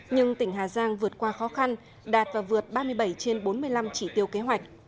nhưng tỉnh hà giang vượt qua khó khăn đạt và vượt ba mươi bảy trên bốn mươi năm chỉ tiêu kế hoạch